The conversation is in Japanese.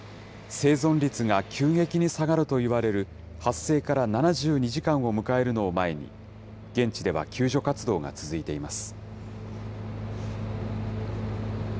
生存率が急激に下がるといわれる発生から７２時間を迎えるのを前に、現地では救助活動が続いています。